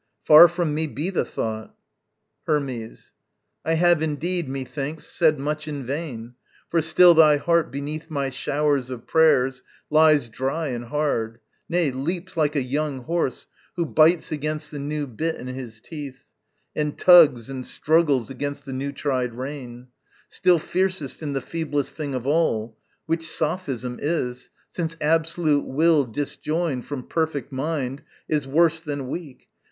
Far from me be the thought! Hermes. I have indeed, methinks, said much in vain, For still thy heart beneath my showers of prayers Lies dry and hard nay, leaps like a young horse Who bites against the new bit in his teeth, And tugs and struggles against the new tried rein, Still fiercest in the feeblest thing of all, Which sophism is; since absolute will disjoined From perfect mind is worse than weak.